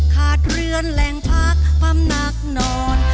ขาดเรือนแหล่งพักความหนักนอน